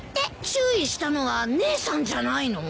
注意したのは姉さんじゃないの？